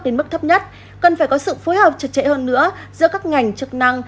đến mức thấp nhất cần phải có sự phối hợp trật trễ hơn nữa giữa các ngành chức năng